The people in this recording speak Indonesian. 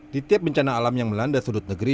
di tiap bencana alam yang melanda sudut negeri